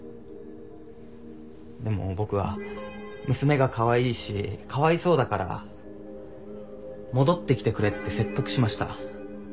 でも僕は娘がかわいいしかわいそうだから戻ってきてくれって説得しました。